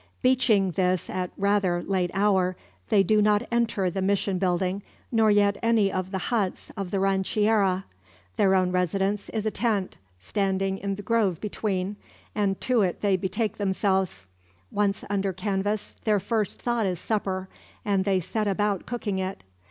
Beaching this at a rather late hour, they do not enter the mission building nor yet any of the huts of the rancheria. Their own residence is a tent, standing in the grove between; and to it they betake themselves. Once under canvass their first thought is supper, and they set about cooking it.